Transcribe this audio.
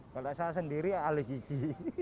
kalau saya sendiri ahli gigi